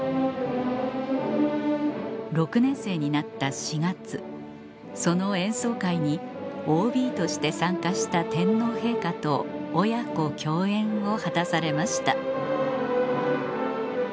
６年生になった４月その演奏会に ＯＢ として参加した天皇陛下と親子共演を果たされました